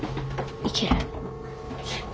いける！